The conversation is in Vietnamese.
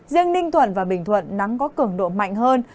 riêng ninh thuận và bình thuận nắng có cường độ mạnh hơn